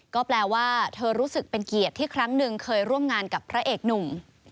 ก็แปลว่าเธอรู้สึกเป็นเกียรติที่ครั้งหนึ่งเคยร่วมงานกับพระเอกหนุ่ม